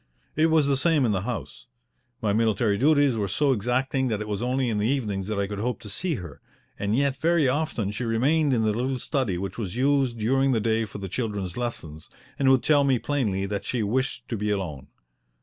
It was the same in the house. My military duties were so exacting that it was only in the evenings that I could hope to see her, and yet very often she remained in the little study which was used during the day for the children's lessons, and would tell me plainly that she wished to be alone.